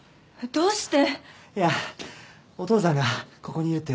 どうして？